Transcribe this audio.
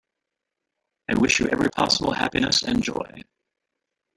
I wish you every possible happiness and joy.